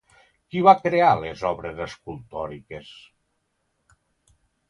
Qui va crear les obres escultòriques?